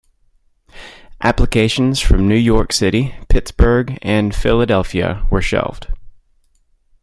Applications from New York City, Pittsburgh and Philadelphia were shelved.